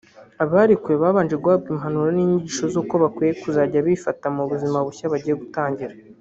abarekuwe babanje guhabwa impanuro n’inyigisho z’uko bakwiye kuzajya bifata mu buzima bushya bagiye gutangira